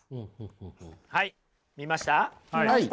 はい見ました？